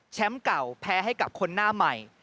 แชมป์เก่าแพ้ให้กับคนน่าใหม่